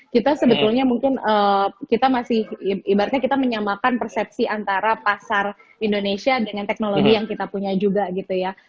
kita sebetulnya mungkin kita masih ibaratnya kita menyamakan persepsi antara pasar indonesia dengan teknologi yang kita punya juga gitu ya